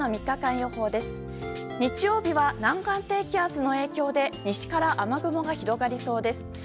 日曜日は南岸低気圧の影響で西から雨雲が広がりそうです。